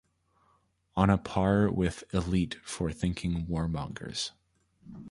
On a par with "Elite" for thinking warmongers.